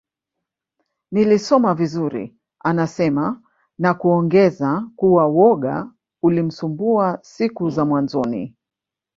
Nilisoma vizuri anasema na kuongeza kuwa woga ulimsumbua siku za mwanzoni